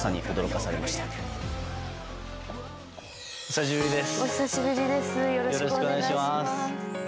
よろしくお願いします。